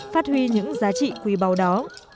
phát huy những giá trị quý bầu đó